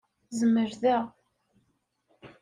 Zmel da.